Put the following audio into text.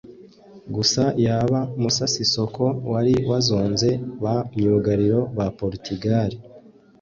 Gusa yaba Moussa Sissoko wari wazonze ba myubagiro ba Portugal